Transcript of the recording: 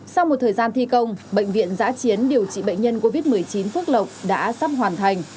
sau một thời gian thi công bệnh viện giã chiến điều trị bệnh nhân covid một mươi chín phước lộc đã sắp hoàn thành